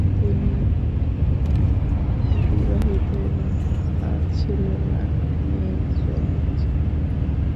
তিনি বিবাহিত এবং পাঁচ ছেলে ও আট মেয়ের জনক ছিলেন।